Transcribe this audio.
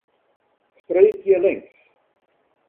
Streekje links.